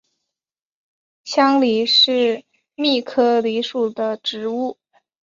香藜是苋科藜属的植物。